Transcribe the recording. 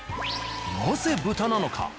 なぜ豚なのか？